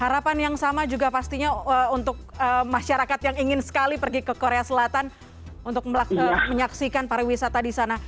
harapan yang sama juga pastinya untuk masyarakat yang ingin sekali pergi ke korea selatan untuk menyaksikan pariwisata di sana